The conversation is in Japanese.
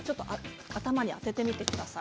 頭に当ててみてください。